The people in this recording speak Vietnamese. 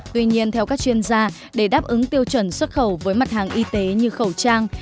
tuy nhiên theo các chuyên gia để đáp ứng tiêu chuẩn xuất khẩu với mặt hàng y tế như khẩu trang